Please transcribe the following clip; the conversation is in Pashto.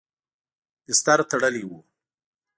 بستر تړلی و.